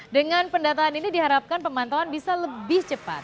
dengan pendataan ini diharapkan pemantauan bisa lebih cepat